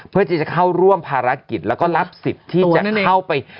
เพื่อที่จะเข้าร่วมภารกิจแล้วก็รับสิทธิ์ที่จะเข้าไป